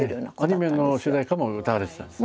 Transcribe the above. アニメの主題歌も歌われてたんですね。